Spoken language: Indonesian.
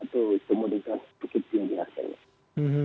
atau kemudian ke keputusan yang dihasilkan